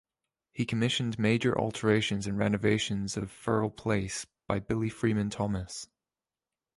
He commissioned major alterations and renovations of Firle Place by Billy Freeman Thomas.